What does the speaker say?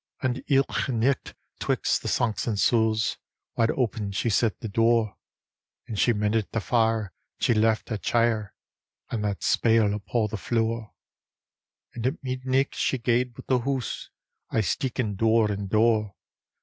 And ilka nicht 'twixt the Sancts an' Souls Wide open she set the door; And ^e mendit the fire, and she left ae chair And that spale upo' the flure. And at midnicht she gaed but the hoose, Aye steekin' door and door.